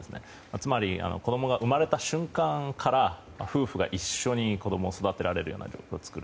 つまり子供が生まれた瞬間から夫婦が一緒に子供を育てられる状況を作る。